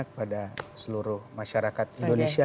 kepada seluruh masyarakat indonesia